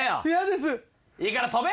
いいから跳べ！